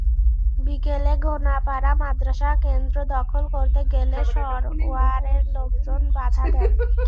বিকেলে ঘোনাপাড়া মাদ্রাসা কেন্দ্র দখল করতে গেলে সরওয়ারের লোকজন বাধা দেন।